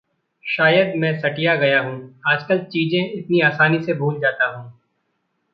शायद मैं सटिया गया हूँ। आजकल चीज़ें इतनी आसानी से भूल जाता हूँ।